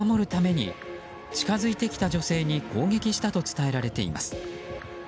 現地では子供を守るために近づいてきた女性に攻撃したと伝えられています。